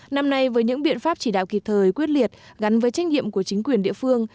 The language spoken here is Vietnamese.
năm nay với những biện pháp chỉ đạo kịp thời quyết liệt gắn với trách nhiệm của chính quyền địa phương